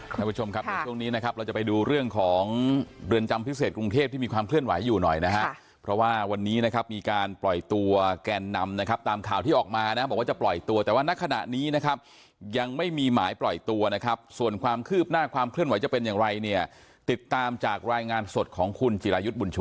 ท่านผู้ชมครับเดี๋ยวช่วงนี้นะครับเราจะไปดูเรื่องของเรือนจำพิเศษกรุงเทพที่มีความเคลื่อนไหวอยู่หน่อยนะฮะเพราะว่าวันนี้นะครับมีการปล่อยตัวแกนนำนะครับตามข่าวที่ออกมานะบอกว่าจะปล่อยตัวแต่ว่านักขณะนี้นะครับยังไม่มีหมายปล่อยตัวนะครับส่วนความคืบหน้าความเคลื่อนไหวจะเป็นอย่างไรเนี่ยติดตามจากรายงานสดของคุณจิรายุทธ์บุญชุ